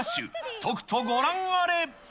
とくとご覧あれ。